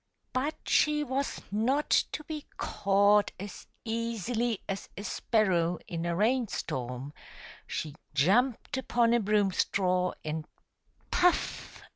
But she was not to be caught as easily as a sparrow in a rain storm; she jumped upon a broom straw, and — puff!